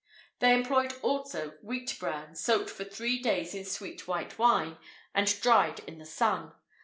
They employed, also, wheat bran, soaked for three days in sweet white wine, and dried in the sun.